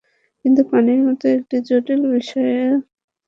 কিন্তু পানির মতো একটা জটিল বিষয়ে স্লোগানসর্বস্বতার ওপর নির্ভর করা চলে না।